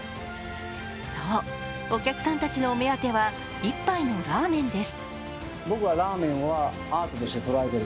そう、お客さんたちのお目当ては１杯のラーメンです。